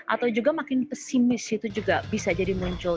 atau juga makin pesimis itu juga bisa jadi muncul